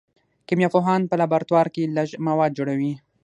کیمیا پوهان په لابراتوار کې لږ مواد جوړوي.